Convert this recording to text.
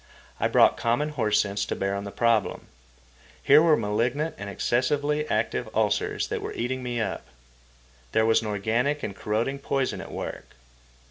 I brought common horse sense to bear on the problem. Here were malignant and excessively active ulcers that were eating me up. There was an organic and corroding poison at work.